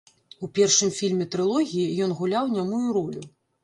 У першым фільме трылогіі ён гуляў нямую ролю.